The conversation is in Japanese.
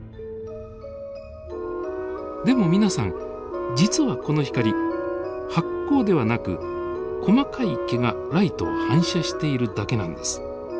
でも皆さん実はこの光発光ではなく細かい毛がライトを反射しているだけなんです。